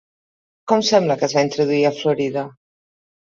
Com sembla que es va introduir a Florida?